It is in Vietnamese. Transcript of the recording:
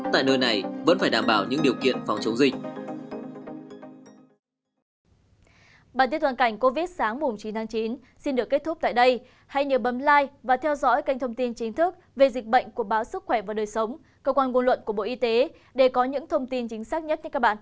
tại nơi này vẫn phải đảm bảo những điều kiện phòng chống dịch